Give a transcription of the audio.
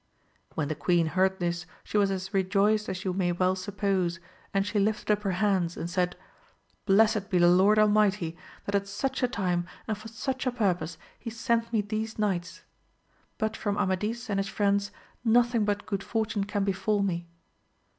When the queen heard this she was as rejoiced as you may well suppose, and she lifted up her hands and said, Blessed be the Lord Almighty that at such a time and for such a purpose he sent me these knights ! but from Amadis and his friends, nothing but good fortune can befall me